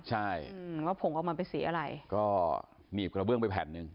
ใช่อืมว่าผงออกมาเป็นสีอะไรก็หนีบกระเบื้องไปแผ่นหนึ่ง